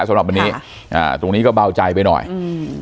สำหรับวันนี้อ่าตรงนี้ก็เบาใจไปหน่อยอืม